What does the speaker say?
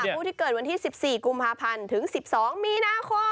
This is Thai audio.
ผู้ที่เกิดวันที่๑๔กุมภาพันธ์ถึง๑๒มีนาคม